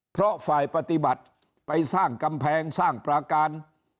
เพราะฝ่ายปฏิบัติไปสร้างกำแพงสร้างปราการ